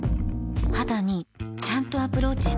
肌にちゃんとアプローチしてる感覚